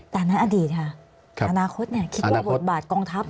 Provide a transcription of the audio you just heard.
ต่างนั้นอดีตครับอนาคตคิดว่าบทบาทกองทัพ